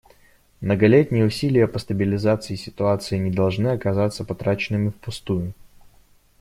Многолетние усилия по стабилизации ситуации не должны оказаться потраченными впустую.